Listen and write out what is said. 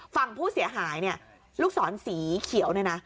ฝั่งผู้เสียหายเนี่ยลูกศรสีเขียวเนี่ยนะ